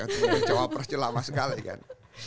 tunggu cowopress juga lama sekali kan